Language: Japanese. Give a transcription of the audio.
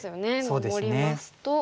守りますと。